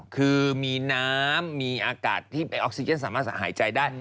คือมีน้ำมีอากาศที่ไปออกซิเจนสามารถหายใจได้